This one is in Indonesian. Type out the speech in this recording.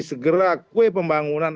segera kue pembangunan